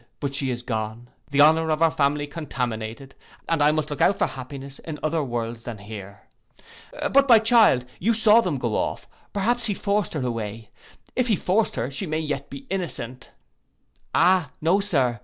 But she is gone, the honour of our family contaminated, and I must look out for happiness in other worlds than here. But my child, you saw them go off: perhaps he forced her away? If he forced her, she may 'yet be innocent.'—'Ah no, Sir!